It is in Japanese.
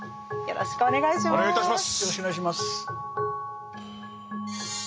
よろしくお願いします。